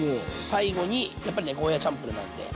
最後にやっぱりねゴーヤーチャンプルーなんで。